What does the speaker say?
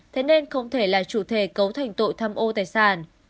thế nên không thể là chủ thể cấu thành tội tham ô tài sản